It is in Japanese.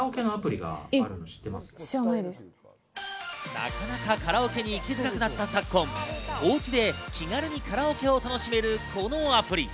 なかなかカラオケに行きづらくなった昨今、おうちで気軽にカラオケを楽しめるこのアプリ。